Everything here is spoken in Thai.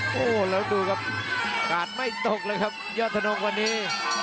โอ้โหแล้วดูครับกาดไม่ตกเลยครับยอดทนงวันนี้